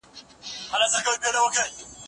زه به سبا سبزیحات پاختم وم؟